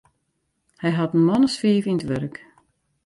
Hy hat in man as fiif yn it wurk.